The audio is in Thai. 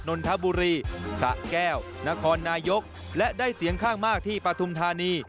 นนทบุรีสะแก้วนครนายกและได้เสียงข้างมากที่ปฐุมธานี